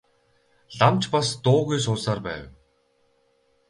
Лам ч бас дуугүй суусаар байв.